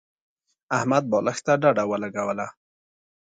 احمد بالښت ته ډډه ولګوله.